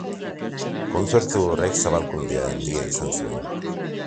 Kontzertu horrek zabalkunde handia izan zuen.